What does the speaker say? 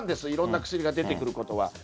いろんな薬が出てくることは。